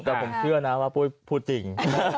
แต่ผมเชื่อนะว่าปุ้ยพูดจริง